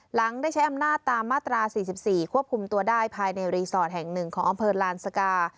หลังได้ใช้อำนาจตามมาตรา๔๔ควบคุมตัวได้ภายในรีสอร์ทแห่ง๑ของอำเภอลานสกา